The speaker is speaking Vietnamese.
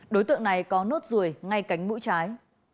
đối tượng này có nốt ruồi ngay cánh mũi trái